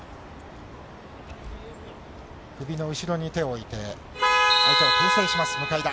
首の後ろに手を置いて、相手をけん制します、向田。